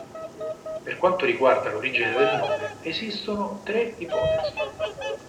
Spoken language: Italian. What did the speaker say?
Per quanto riguarda l'origine del nome, esistono tre ipotesi.